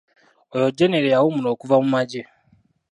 Oyo genero eyawummula okuva mu magye.